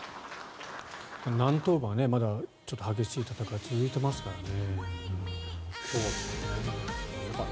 南東部はまだ激しい戦いが続いていますからね。